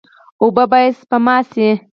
اوبه باید سپمول شي.